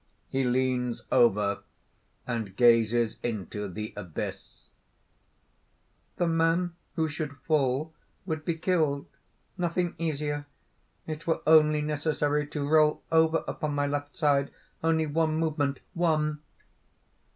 (He leans over, and gazes into the abyss.) "The man who should fall would be killed. Nothing easier: it were only necessary to roll over upon my left side: only one movement one!"